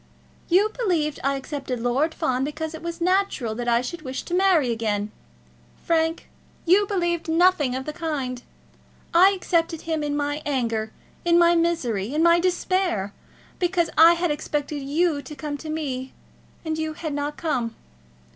"You believed I accepted Lord Fawn because it was natural that I should wish to marry again! Frank, you believed nothing of the kind. I accepted him in my anger, in my misery, in my despair, because I had expected you to come to me, and you had not come!"